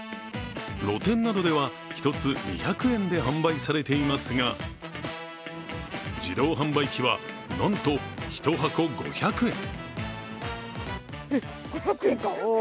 露店などでは１つ、２００円で販売されていますが自動販売機は、なんと１箱５００円。